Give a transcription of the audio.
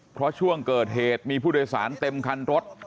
เพราะช่วงเกิดเหตุมีผู้โดยสารเต็มคันรถ